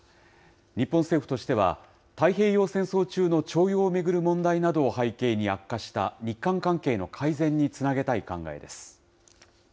日本政府としては、太平洋戦争中の徴用を巡る問題などを背景に悪化した日韓関係の改善につなげたい考えです。